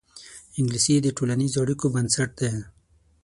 انګلیسي د ټولنیزو اړیکو بنسټ دی